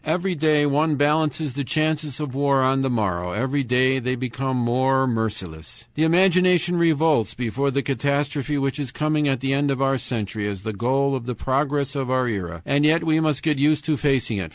Every day one balances the chances of war on the morrow, every day they become more merciless. "The imagination revolts before the catastrophe which is coming at the end of our century as the goal of the progress of our era, and yet we must get used to facing it.